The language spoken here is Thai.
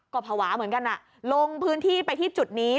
ก็ภาวะเหมือนกันลงพื้นที่ไปที่จุดนี้